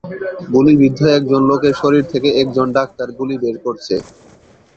গুলিবিদ্ধ একজন লোকের শরীর থেকে একজন ডাক্তার গুলি বের করছে।